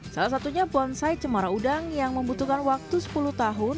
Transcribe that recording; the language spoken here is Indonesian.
salah satunya bonsai cemara udang yang membutuhkan waktu sepuluh tahun